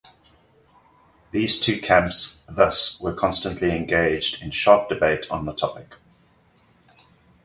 These two camps thus were constantly engaged in "sharp debate" on the topic.